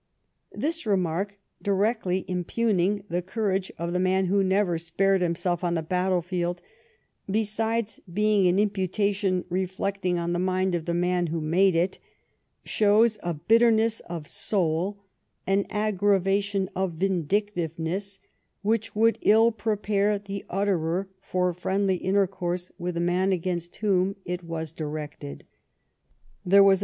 This remark, directly impugning the courage of the man who never spared himself on the battlefield, besides being an imputation reflecting on the mind of the man who made it, shows a bitterness of soul, an aggravation of v'indictiveness, which would ill prepare the uttcrer for friendly intercourse with the man against whom it was * Napukon and /;/.s Detractors, pp. 17G 8. TEE ABMISTICE OF PLEISWITZ. Ill directed. There was n.